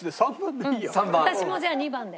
私もじゃあ２番で。